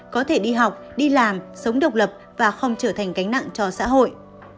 có thể đi học đi làm sống độc lập và không trở thành cánh nặng cho xã hội